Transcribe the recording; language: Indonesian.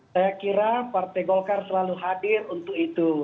saya kira partai golkar selalu hadir untuk itu